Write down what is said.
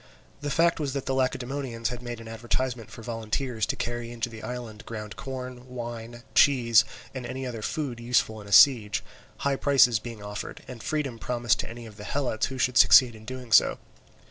The fact was that the Lacedaemonians had made advertisement for volunteers to carry into the island ground corn, wine, cheese, and any other food useful in a siege; high prices being offered, and freedom promised to any of the Helots who should succeed in doing so.